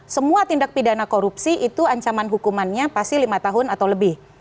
semua tindak pidana korupsi itu ancaman hukumannya pasti lima tahun atau lebih